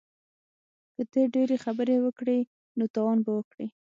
که ته ډیرې خبرې وکړې نو تاوان به وکړې